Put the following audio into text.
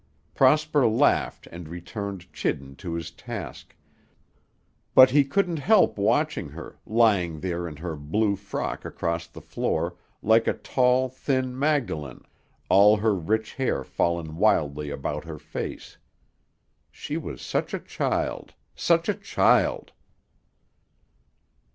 Prosper laughed and returned chidden to his task, but he couldn't help watching her, lying there in her blue frock across his floor, like a tall, thin Magdalene, all her rich hair fallen wildly about her face. She was such a child, such a child!